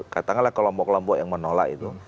katakanlah kelompok kelompok yang menolak itu